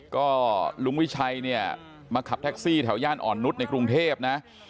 ก็ลุงวิชัยเนี่ยมาขับแท็กซี่แถวย่านอ่อนนุษย์ในกรุงเทพนะ